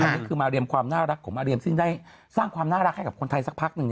อันนี้คือมาเรียมความน่ารักของมาเรียมซึ่งได้สร้างความน่ารักให้กับคนไทยสักพักหนึ่ง